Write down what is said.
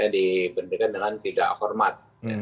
dibentikan dengan tidak hormat